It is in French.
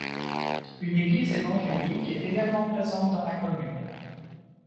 Une église évangélique est également présente dans la commune.